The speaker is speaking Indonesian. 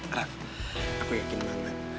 arah aku yakin banget